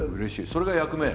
それが役目よ。